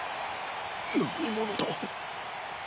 何者だ。